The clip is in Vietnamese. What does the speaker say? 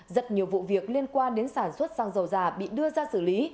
rất nhiều vụ việc liên quan đến sản xuất xăng dầu giả bị đưa ra xử lý